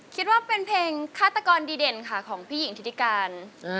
คิดว่าเป็นเพลงฆาตกรดีเด่นค่ะของพี่หญิงทิติการ